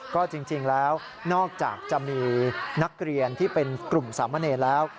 ก็จริงแล้วนอกจากจะมีนักเรียนที่เป็นกลุ่มสามเณรแล้ว